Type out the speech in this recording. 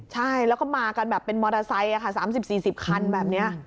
ใช่แล้วก็มากันแบบเป็นมอเตอร์ไซค์๓๐๔๐คันแบบนี้